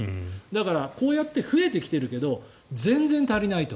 だから、こうやって増えてきているけど全然足りないと。